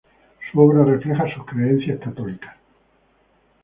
Su obra refleja sus creencias católicas.